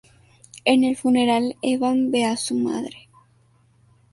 En el funeral, Evan ve a su madre.